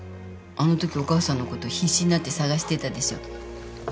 あのときお母さんのこと必死になって捜してたでしょ？